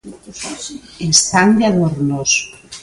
Están de adornos.